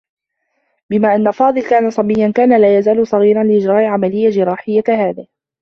بما أنّ فاضل كان صبيّا، كان لا يزال صغيرا لإجراء عمليّة جراحيّة كهذه.